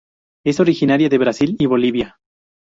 Es originaria de Brasil y Bolivia.